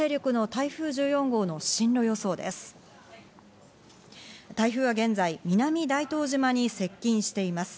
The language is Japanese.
台風は現在、南大東島に接近しています。